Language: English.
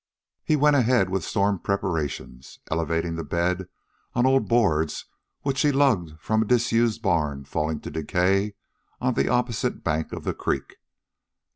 He went ahead with storm preparations, elevating the bed on old boards which he lugged from a disused barn falling to decay on the opposite bank of the creek.